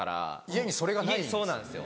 家にそれがないんです。